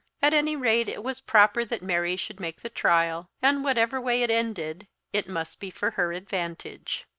At any rate it was proper that Mary should make the trial, and whichever way it ended, it must be for her advantage.